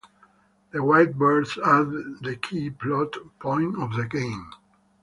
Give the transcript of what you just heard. The White Birds are the key plot point of the game.